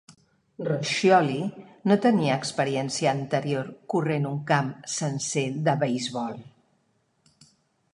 Roscioli no tenia experiència anterior corrent un camp sencer de beisbol.